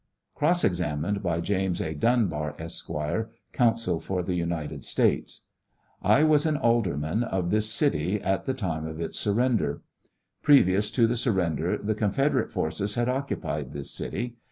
Cross examined by James A. Dunbar, Esq., counsel for the United States : I was an alderman of this city at the time of its surrender. Previous to the surrender the Confederate forces had occupied this city.